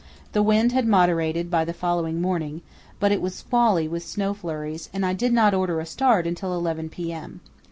The wind had moderated by the following morning, but it was squally with snow flurries, and I did not order a start till 11 p.m.